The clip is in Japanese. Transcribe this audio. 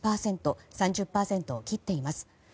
３０％を切っています。